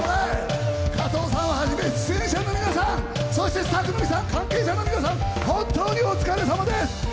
加藤さんをはじめ、出演者の皆さん、そしてスタッフの皆さん、関係者の皆さん、本当にお疲れさまです！